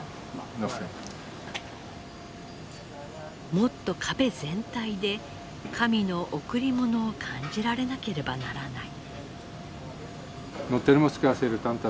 もっと壁全体で神の贈り物を感じられなければならない。